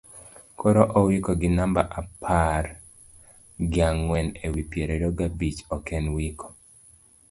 korowikoginambaapar gi ang'wen e wi piero abich ok en wiko